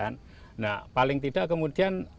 nah paling tidak kemudian